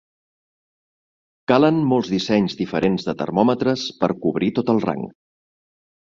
Calen molts dissenys diferents de termòmetres per cobrir tot el rang.